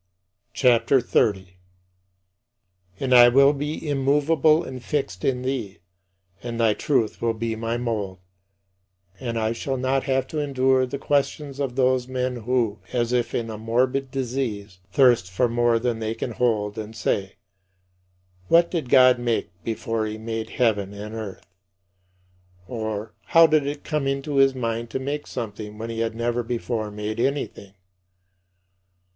CHAPTER XXX 40. And I will be immovable and fixed in thee, and thy truth will be my mold. And I shall not have to endure the questions of those men who, as if in a morbid disease, thirst for more than they can hold and say, "What did God make before he made heaven and earth?" or, "How did it come into his mind to make something when he had never before made anything?"